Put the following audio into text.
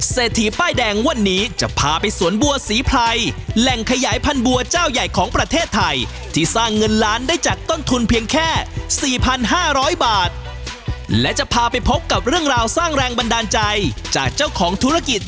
เศรษฐีป้ายแดงวันนี้จะพาไปสวนบัวศรีไพรแหล่งขยายพันธบัวเจ้าใหญ่ของประเทศไทยที่สร้างเงินล้านได้จากต้นทุนเพียงแค่๔๕๐๐บาทและจะพาไปพบกับเรื่องราวสร้างแรงบันดาลใจจากเจ้าของธุรกิจ